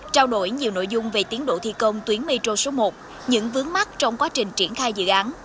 trao đổi nhiều nội dung về tiến độ thi công tuyến metro số một những vướng mắt trong quá trình triển khai dự án